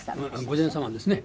御前様ですね。